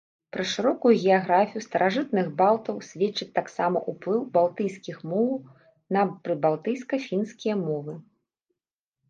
Пра шырокую геаграфію старажытных балтаў сведчыць таксама ўплыў балтыйскіх моў на прыбалтыйска-фінскія мовы.